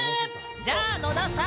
じゃあ野田さん。